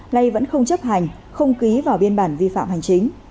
nay vẫn không chấp hành không ký vào biên bản vi phạm hành chính